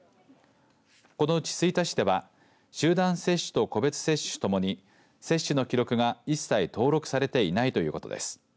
このうち吹田市では集団接種と個別接種ともに接種の記録が一切登録されていないということです。